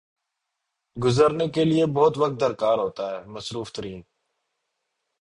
گزرنے کیلیے بہت وقت درکار ہوتا ہے۔ مصروف ترین